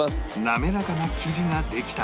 滑らかな生地ができたら